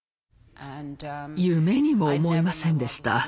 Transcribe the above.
夢にも思いませんでした。